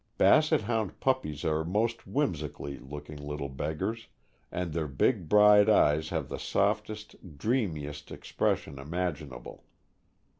Basset Hound puppies are most whimsical looking little beggars, and their big bright eyes have the softest, dreamiest expression imaginable.